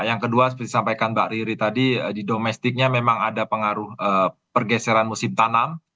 yang kedua seperti disampaikan mbak riri tadi di domestiknya memang ada pengaruh pergeseran musim tanam